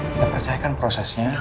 kita percayakan prosesnya